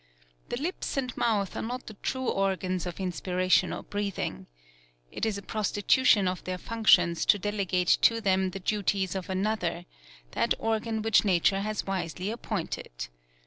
The lips and mouth are not the true organs of inspiration or breathing. It is a prostitution of their functions to delegate to them the duties of another, that organ which nature has wisely appointed.